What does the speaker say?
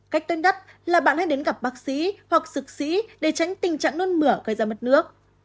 cách tuyên đất là bạn hãy đến gặp bác sĩ hoặc sục sĩ để tránh tình trạng nôn mửa gây ra mất nước